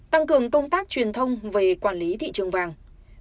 tăng cường công tác truyền thông về quản lý thị trường vàng